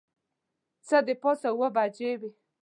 څه د پاسه اوه بجې وې.